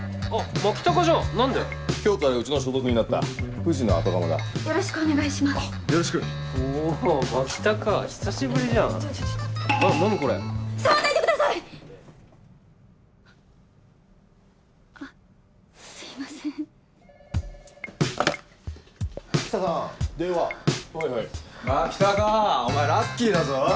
牧高お前ラッキーだぞ。